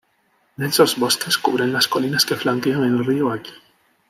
Densos bosques cubren las colinas que flanquean el río aquí.